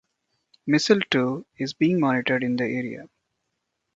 Mistletoe is being monitored in the area.